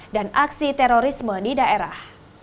dan aksi terorisme di daerah